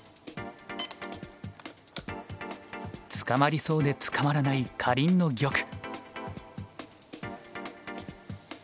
捕まりそうで捕まらないかりんの玉。